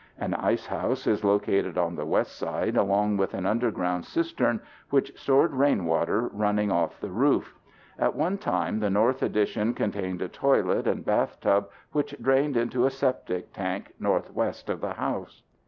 An ice house is located on the west side along with an underground cistern which stored rain water running off the roof. At one time the north addition contained a toilet and bathtub which drained into a septic tank northwest of the house.